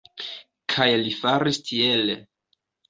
Kaj li faris tiel.